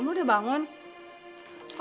raka bangun raka